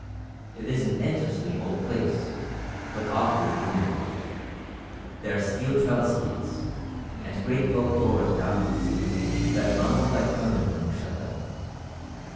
It is an interesting old place, but awfully gloomy. There are steel trellis gates, and great oak doors bound with steel, that rumble like thunder when you shut them.